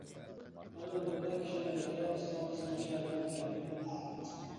ئەل ئۆمرىدە كىشىنىڭ بېشىغا قىسما-قىسما ئىشلار كېلىدىكەن.